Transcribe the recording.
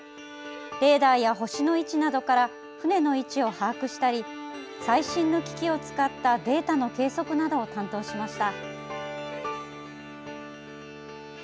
レーダーや星の位置などから船の位置を把握したり最新の機器を使った、データの計測などを担当しました。